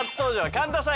神田さん